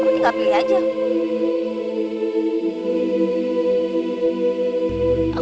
aku udah ketinggalan dari kamu